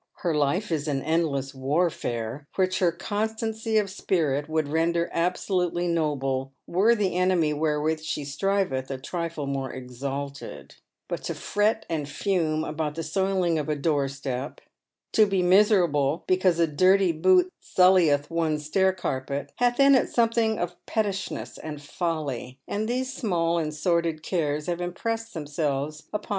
Her Ufe is an endless warfare, which her constancy of spirit would render absolutely noble, were the enemy wherewith she striveth a trifle more exalted ; but to fret and fume about the soiling of a door step, to be miserable because a dirty boot sullieth one's stair CSiTipet, hath in it something of pettishness and folly ; and thear " It is not now aa it Tms hem of yore." 31iP Btnall and sordid cares liave impressed themselves upon ilra.